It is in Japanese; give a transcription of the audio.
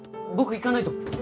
僕行かないと。